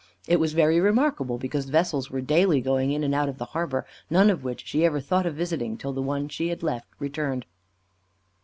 It was very remarkable, because vessels were daily going in and out of the harbour, none of which she ever thought of visiting till the one she had left returned.